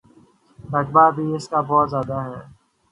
رقبہ بھی اس کا بہت زیادہ ہے۔